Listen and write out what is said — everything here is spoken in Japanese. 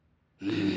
うん。